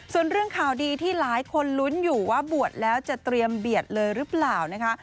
ส่วนเรื่องข่าวดีที่หลายคนลุ้นอยู่ว่าบวชแล้วจะเตรียมเบียดเลยหรือเปล่านะคะ